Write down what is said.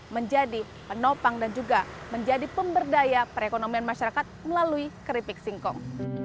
menjadi penopang dan juga menjadi pemberdaya perekonomian masyarakat melalui keripik singkong